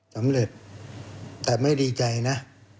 สำเร็จแต่ไม่ดีใจนะ